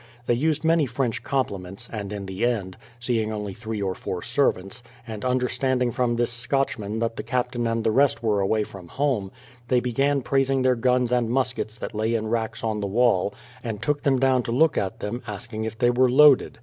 They used many French compliments, and in the end, seeing only three or four servants, and understanding from this Scotchman that the captain and the rest were away from home, they began praising their guns and muskets that lay in racks on the wall, and took them down to look at them, asking if they were loaded.